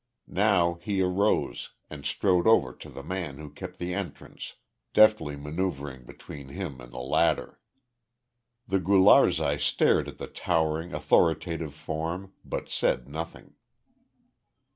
Now he arose, and strode over to the man who kept the entrance, deftly manoeuvring between him and the latter. The Gularzai stared at the towering, authoritative form, but said nothing.